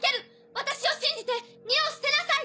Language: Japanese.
私を信じて荷を捨てなさい！